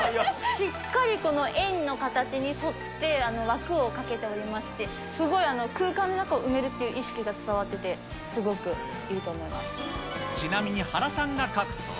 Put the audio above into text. しっかりこの円の形に沿って、枠を書けておりまして、すごい空間の中を埋めるっていう意識が伝ちなみに原さんが書くと。